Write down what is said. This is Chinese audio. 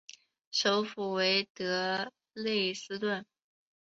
首府为德累斯顿。